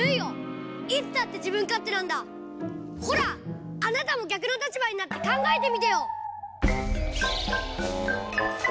ほらあなたも逆の立場になってかんがえてみてよ！